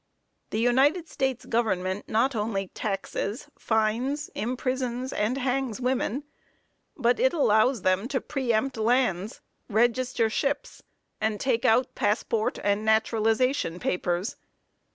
The United States government not only taxes, fines, imprisons and hangs women, but it allows them to pre empt lands, register ships, and take out passport and naturalization papers.